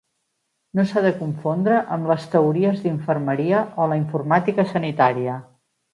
No s'ha de confondre amb les teories d'infermeria o la informàtica sanitària.